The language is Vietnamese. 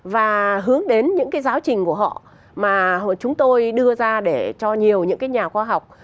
và hướng đến những cái giáo trình của họ mà chúng tôi đưa ra để cho nhiều những cái nhà khoa học